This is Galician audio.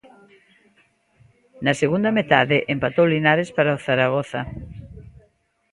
Na segunda metade empatou Linares para o Zaragoza.